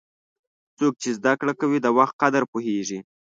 څوک چې زده کړه کوي، د وخت قدر پوهیږي.